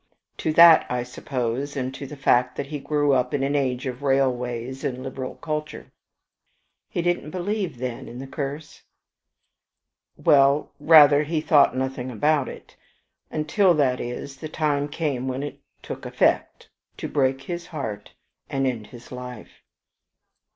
To that I suppose, and to the fact that he grew up in an age of railways and liberal culture." "He didn't believe, then, in the curse?" "Well, rather, he thought nothing about it. Until, that is, the time came when it took effect, to break his heart and end his life."